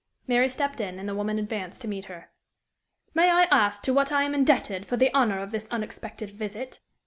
Mary stepped in, and the woman advanced to meet her. "May I ask to what I am indebted for the honner of this unexpected visit?"